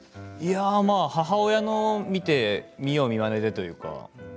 母親のを見て見よう見まねというか。